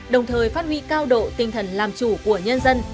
đồng thời phát huy cao độ tinh thần làm chủ của nhân dân